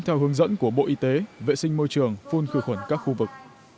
theo hướng dẫn của bộ y tế vệ sinh môi trường phun khử khuẩn các khu vực